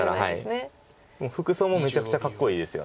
服装もめちゃくちゃかっこいいですよね。